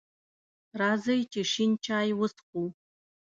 راځئ چې شین چای وڅښو!